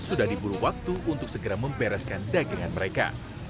sudah diburu waktu untuk segera membereskan dagangan mereka